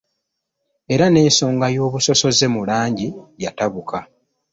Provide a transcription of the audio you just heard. Era n'ensonga y'obusosoze mu langi yatabuka.